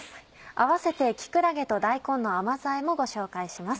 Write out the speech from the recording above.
併せて「木くらげと大根の甘酢あえ」もご紹介します。